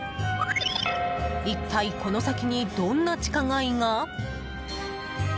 一体、この先にどんな地下街が。